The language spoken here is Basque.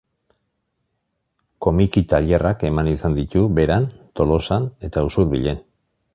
Komiki tailerrak eman izan ditu Beran, Tolosan eta Usurbilen.